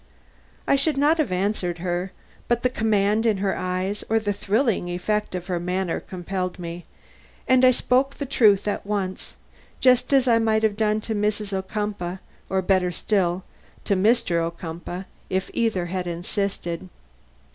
I should not have answered her; but the command in her eyes or the thrilling effect of her manner compelled me, and I spoke the truth at once, just as I might have done to Mrs. Ocumpaugh, or, better still, to Mr. Ocumpaugh, if either had insisted.